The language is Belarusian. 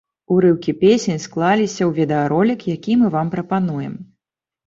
Урыўкі песень склаліся ў відэаролік, які мы вам прапануем.